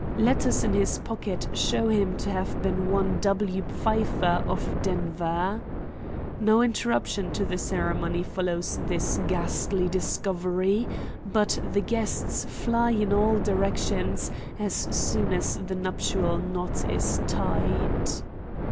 LETTERS IN HIS POCKET SHOW HIM TO HAVE BEEN ONE W. PFEIFFER OF DENVER. NO INTERRUPTION TO THE CEREMONY FOLLOWS THIS GHASTLY DISCOVERY, BUT THE GUESTS FLY IN ALL DIRECTIONS AS SOON AS THE NUPTIAL KNOT IS TIED.